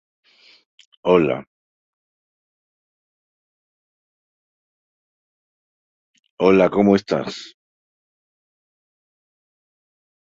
En Estados Unidos se la recortó, reduciendo su duración en un cuarto de hora.